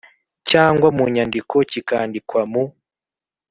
cyangwa mu nyandiko kikandikwa mu